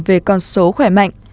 về con số khỏe mạnh